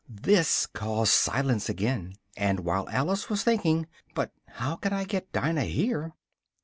This caused silence again, and while Alice was thinking "but how can I get Dinah here?"